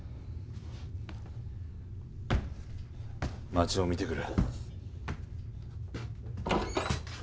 街を見てくる。